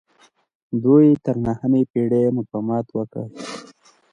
دوی تر نهمې پیړۍ مقاومت وکړ